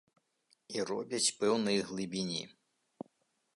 І робяць пэўнай глыбіні.